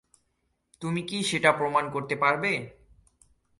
তুমি কি সেটা প্রমাণ করতে পারবে?